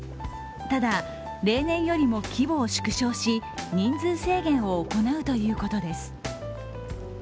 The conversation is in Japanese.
ただ、例年よりも規模を縮小し人数制限を行うということです。